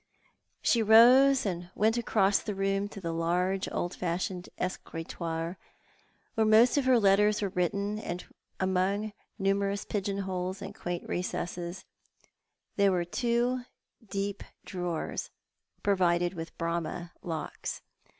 She rose, and went across the room to the large old fashioned escritoire, where most of her letters were written, and where, among numerous pigeon holes and quaint recesses, there were two deep drawers, provided with Bramah locks.